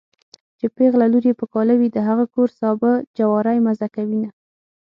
چې پېغله لور يې په کاله وي د هغه کور سابه جواری مزه کوينه